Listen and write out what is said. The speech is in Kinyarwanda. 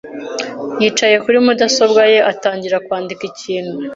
yicaye kuri mudasobwa ye atangira kwandika ikintu.